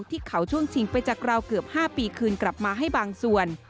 ที่เขาช่วงชิงไปจากเราเกือบ๕ปีคืนกลับมาให้บางส่วน